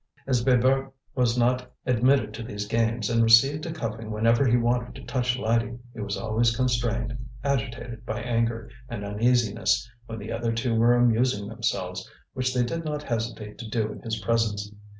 As Bébert was not admitted to these games and received a cuffing whenever he wanted to touch Lydie, he was always constrained, agitated by anger and uneasiness when the other two were amusing themselves, which they did not hesitate to do in his presence.